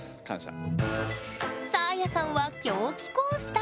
サーヤさんは「狂気コースター」。